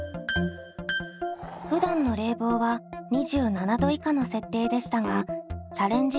ふだんの冷房は２７℃以下の設定でしたがチャレンジ